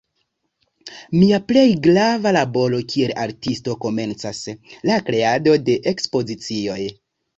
Mia plej grava laboro kiel artisto komencas: la kreado de ekspozicioj.